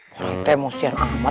pak rete mau siar amat